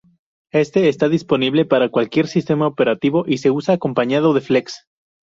Este está disponible para cualquier sistema operativo y se usa acompañado de Flex.